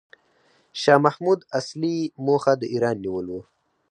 شاه محمود اصلي موخه د ایران نیول و.